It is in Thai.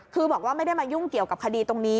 คือบอกว่าไม่ได้มายุ่งเกี่ยวกับคดีตรงนี้